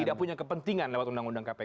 tidak punya kepentingan lewat undang undang kpk